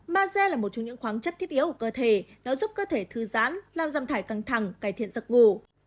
maze là một trong những khoáng chất thiết yếu của cơ thể nó giúp cơ thể thư giãn làm rằm thải căng thẳng cải thiện giấc ngủ